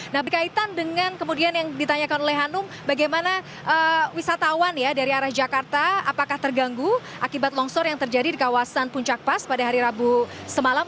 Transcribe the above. nah berkaitan dengan kemudian yang ditanyakan oleh hanum bagaimana wisatawan ya dari arah jakarta apakah terganggu akibat longsor yang terjadi di kawasan puncak pas pada hari rabu semalam